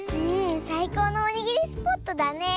さいこうのおにぎりスポットだねえ。